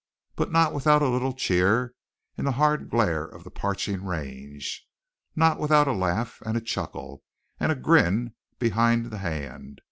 But not without a little cheer in the hard glare of the parching range, not without a laugh and a chuckle, and a grin behind the hand.